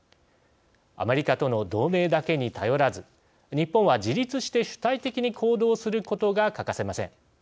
アメリカとの同盟だけに頼らず日本は自立して主体的に行動することが欠かせません。